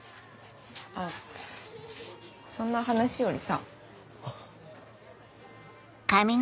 あっそんな話よりさ。